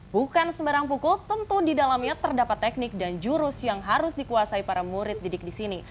bukan sembarang pukul tentu di dalamnya terdapat teknik dan jurus yang harus dikuasai para murid didik di sini